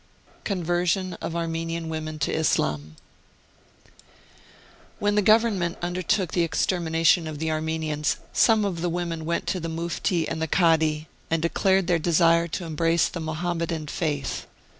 CONVERSION OF ARMENIAN WOMEN TO ISLAM. When the Government undertook the extermination of the 'Armenians some of the women went to the Mufti and the Kadi, and declared their desire to embrace the Mohammedan faith.